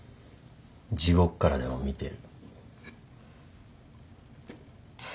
地獄からでも見てる。